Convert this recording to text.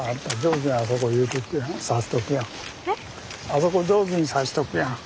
あそこ上手に差しとくやん。